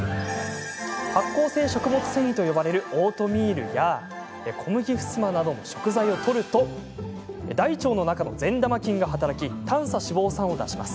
発酵性食物繊維と呼ばれるオートミールや小麦ふすまなどの食材をとると大腸の中の善玉菌が働き短鎖脂肪酸を出します。